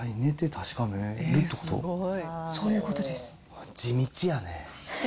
そういうことです。